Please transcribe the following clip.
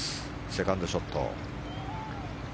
セカンドショット。